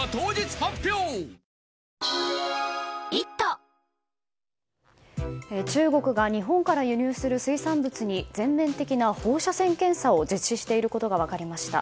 新「グリーンズフリー」中国が日本から輸入する水産物に全面的な放射線検査を実施していることが分かりました。